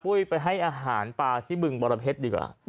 ไปให้อาหารปลาที่บึงบรเพชรดีกว่า